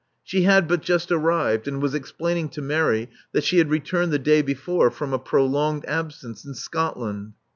She had but just arrived, and was explaining to Mary that she had returned the day before from a prolonged absence in Scotland.